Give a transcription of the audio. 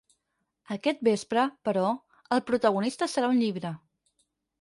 Aquest vespre, però, el protagonista serà un llibre.